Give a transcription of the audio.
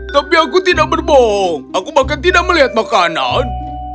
tapi aku tidak berbohong aku bahkan tidak melihat makanan